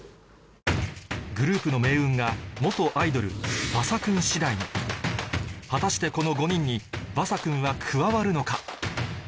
グループの命運が元アイドルヴァサ君次第に果たしてこの５人にヴァサ君は加わるのか？